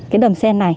cái đầm sen này